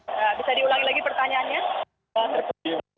bisa diulangi lagi pertanyaannya